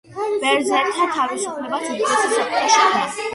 ბერძენთა თავისუფლებას უდიდესი საფრთხე შექმნა.